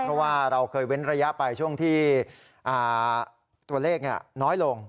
เพราะว่าเราเคยเว้นระยะไปช่วงที่ตัวเลขน้อยลง